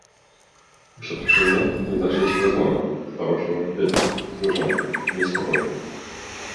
"Usiadł przy mnie i zaczęliśmy rozmowę, zdawał się bowiem biedny, znużony i niespokojny."